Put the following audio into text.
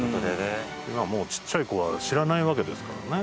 富澤：今、もう、ちっちゃい子は知らないわけですからね。